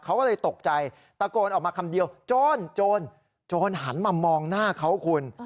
เขาก็เลยตกใจตะโกนออกมาคำเดียวโจรโจรโจรหันมามองหน้าเขาคุณ